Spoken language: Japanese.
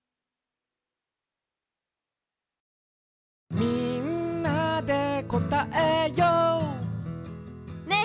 「みんなでこたえよう」ねえ